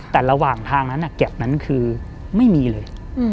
แต่ระหว่างทางนั้นเก็บนั้นคือไม่มีเลย